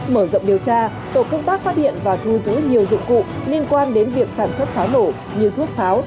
mở rộng điều tra tổ công tác phát hiện và thu giữ nhiều dụng cụ liên quan đến việc sản xuất pháo nổ như thuốc pháo